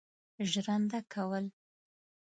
ژرنده کول.